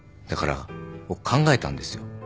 だから僕考えたんですよ。